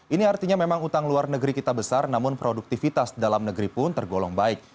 ini artinya memang utang luar negeri kita besar namun produktivitas dalam negeri pun tergolong baik